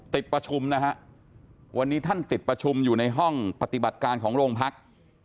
ติดประชุมนะฮะวันนี้ท่านติดประชุมอยู่ในห้องปฏิบัติการของโรงพัก